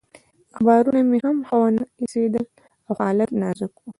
اخبارونه مې هم ښه ونه ایسېدل او حالت نازک و.